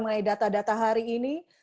mengenai data data hari ini